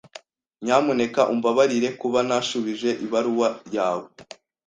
Nyamuneka umbabarire kuba ntashubije ibaruwa yawe.